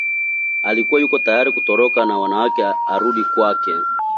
Alikuwa yuko tayari kutoroka na wanawe arudi kwake